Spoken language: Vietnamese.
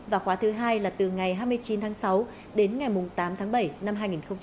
và khóa thứ hai là từ ngày hai mươi chín tháng sáu đến ngày tám tháng bảy năm hai nghìn hai mươi